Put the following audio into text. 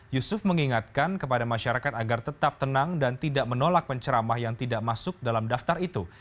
yusuf mengingatkan kepada masyarakat agar tetap tenang dan tidak menolak penceramah yang tidak masuk dalam daftar itu